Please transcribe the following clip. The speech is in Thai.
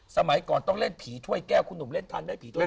สมัยก่อนต้องเล่นผีถ้วยแก้วคุณหนุ่มเล่นทันด้วยผีถ้วย